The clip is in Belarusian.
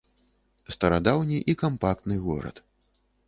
Старадаўні і кампактны горад.